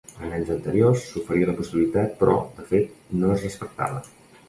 En anys anteriors, s’oferia la possibilitat però, de fet, no es respectava.